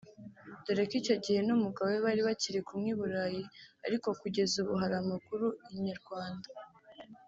dore ko icyo gihe n’umugabo we bari bakiri kumwe i Burayi ariko kugeza ubu hari amakuru Inyarwanda